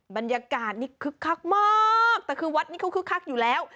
บรรยากาศนี่คึกคักมากแต่คือวัดนี้เขาคึกคักอยู่แล้ว